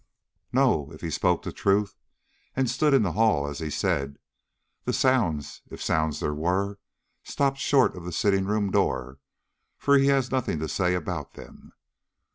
"No. If he spoke the truth and stood in the hall as he said, the sounds, if sounds there were, stopped short of the sitting room door, for he has nothing to say about them."